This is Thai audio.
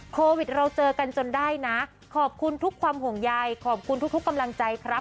โควิดเราเจอกันจนได้นะขอบคุณทุกความห่วงใยขอบคุณทุกกำลังใจครับ